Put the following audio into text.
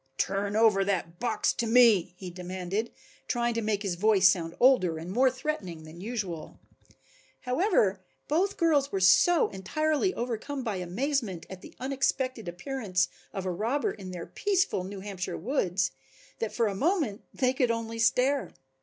"Turn over that box to me," he demanded, trying to make his voice sound older and more threatening than usual. However, both girls were so entirely overcome by amazement at the unexpected appearance of a robber in their peaceful New Hampshire woods, that for a moment they could only stare.